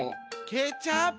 ケチャップか！